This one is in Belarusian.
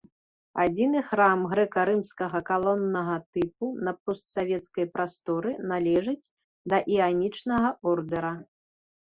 Адзіны храм грэка-рымскага калоннага тыпу на постсавецкай прасторы, належыць да іанічнага ордэра.